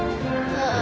ああ。